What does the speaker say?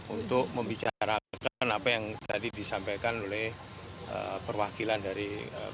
untuk membicarakan apa yang tadi disampaikan oleh perwakilan dari